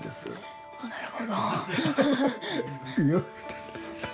なるほど。